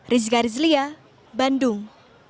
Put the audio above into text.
rizka rizlia bandung